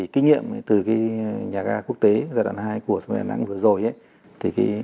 kinh nghiệm từ nhà ga quốc tế giai đoạn hai của sân bay đà nẵng vừa rồi